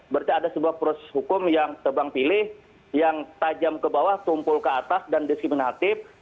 berarti ada sebuah proses hukum yang tebang pilih yang tajam ke bawah tumpul ke atas dan diskriminatif